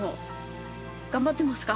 頑張ってますか？